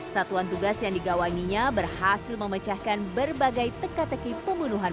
satuan tugas yang digawanginya berhasil memecahkan berbagai teka teki pembunuhan